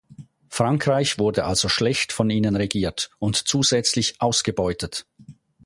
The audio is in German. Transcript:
Frankreich wurde also schlecht von ihnen regiert und zusätzlich ausgebeutet.